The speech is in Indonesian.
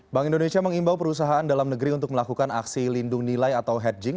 bank indonesia mengimbau perusahaan dalam negeri untuk melakukan aksi lindung nilai atau hedging